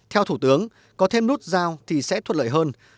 theo thủ tướng có thêm nút giao thì sẽ thuận lợi hơn